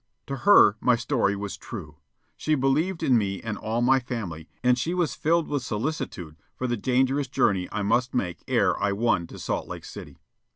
To her my story was "true." She believed in me and all my family, and she was filled with solicitude for the dangerous journey I must make ere I won to Salt Lake City.